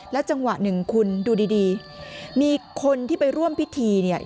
จังหวะหนึ่งคุณดูดีมีคนที่ไปร่วมพิธีเนี่ย